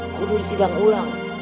aku udah disidang ulang